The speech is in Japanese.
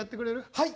はい！